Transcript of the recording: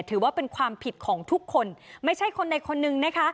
ถือว่าเป็นความผิดของทุกคนไม่ใช่คนใดคนนึงนะคะ